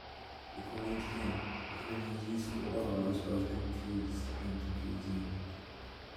According to him, the "Committee's use of Orwell is both confused and confusing".